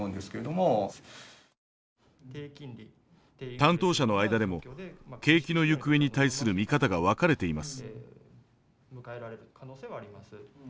担当者の間でも景気の行方に対する見方が分かれています。